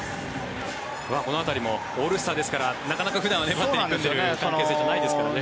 この辺りもオールスターですからなかなか普段はバッテリーを組む関係性じゃないですからね。